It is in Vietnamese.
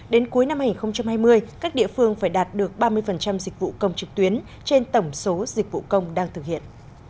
đến cuối năm hai nghìn hai mươi các địa phương phải đạt được ba mươi dịch vụ công trực tuyến trên tổng số dịch vụ công đang thực hiện